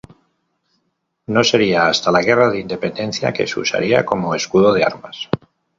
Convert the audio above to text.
No sería hasta la guerra de Independencia que se usaría como escudo de armas.